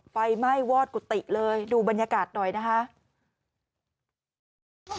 ไฟไหม้วอดกุฏิเลยดูบรรยากาศหน่อยนะคะ